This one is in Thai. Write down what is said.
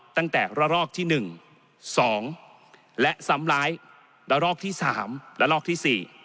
ตั้งแต่ระลอกที่๑๒และซ้ำร้ายระลอกที่๓และลอกที่๔